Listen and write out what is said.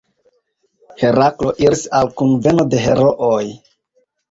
Heraklo iris al kunveno de herooj.